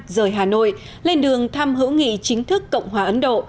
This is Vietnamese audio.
rời hà nội lên đường thăm hữu nghị chính thức cộng hòa ấn độ